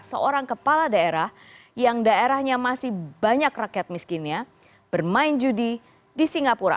seorang kepala daerah yang daerahnya masih banyak rakyat miskinnya bermain judi di singapura